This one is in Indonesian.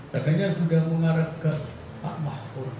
katanya sudah mengarah ke pak mahfuz